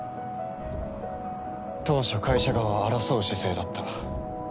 当初会社側は争う姿勢だった。